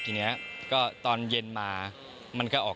ทีนี้ก็ตอนเย็นมามันก็ออก